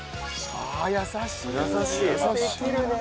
あっ優しい。